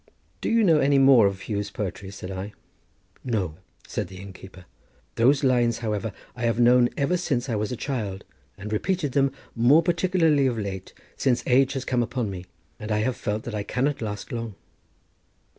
"Do you know any more of Huw's poetry?" said I. "No," said the innkeeper. "Those lines, however, I have known ever since I was a child, and repeated them, more particularly of late, since age has come upon me, and I have felt that I cannot last long."